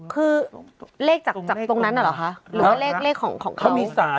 คือเลขจากตรงนั้นน่ะเหรอคะหรือว่าเลขของเขา